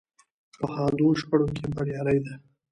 په حادو شخړو کې بریالۍ ده.